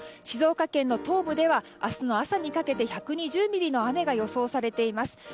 静岡県の東部では明日の朝にかけて１２０ミリの雨が予想されています。